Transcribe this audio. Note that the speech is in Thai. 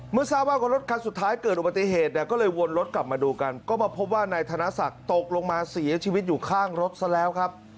เมื่อทราบว่ารถคันสุดท้ายเกิดอุบัติเหตุเนี่ยก็เลยวนรถกลับมาดูกันก็มาพบว่านายธนศักดิ์ตกลงมาเสียชีวิตอยู่ข้างรถซะแล้วครับ